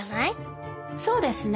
そうですね。